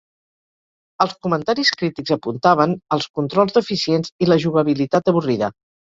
Els comentaris crítics apuntaven als controls deficients i la jugabilitat avorrida.